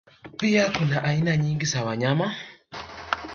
Pia kuna aina nyingi za wanyama